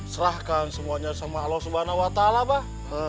serahkan semuanya sama allah subhanahu wa ta'ala bah